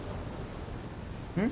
うん？